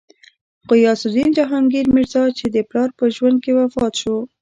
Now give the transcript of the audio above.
غیاث الدین جهانګیر میرزا، چې د پلار په ژوند کې وفات شو.